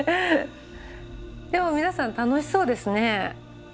でも皆さん楽しそうですねえとっても。